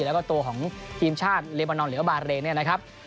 แล้วก็ตัวของทีมชาติเลบานอนหรือว่าบาเรนเนี่ยนะครับ